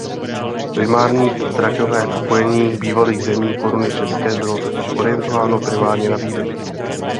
Primární traťové napojení bývalých zemí Koruny české bylo totiž orientováno primárně na Vídeň.